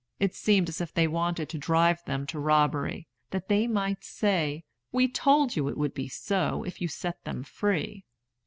It seemed as if they wanted to drive them to robbery, that they might say, "We told you it would be so, if you set them free."